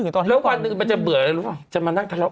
น่ะใช่จริงเสียเวลาทะเลาะ